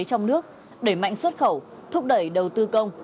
trong nước đẩy mạnh xuất khẩu thúc đẩy đầu tư công